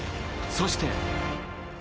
そして。